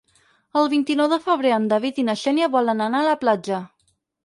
El vint-i-nou de febrer en David i na Xènia volen anar a la platja.